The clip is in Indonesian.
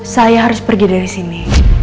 saya harus pergi dari sini